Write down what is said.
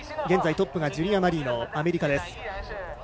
現在トップがジュリア・マリーノアメリカです。